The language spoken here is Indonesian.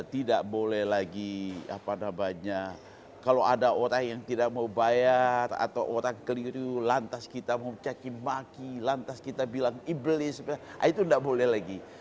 tidak boleh lagi apa namanya kalau ada orang yang tidak mau bayar atau orang keliru lantas kita mau caki maki lantas kita bilang iblis itu tidak boleh lagi